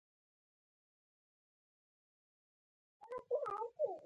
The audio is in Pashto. د ژمنې معامله د دوو انسانانو ترمنځ معامله نه ده.